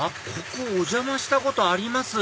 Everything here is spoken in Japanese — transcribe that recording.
ここお邪魔したことあります